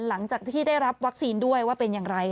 หลังจากที่ได้รับวัคซีนด้วยว่าเป็นอย่างไร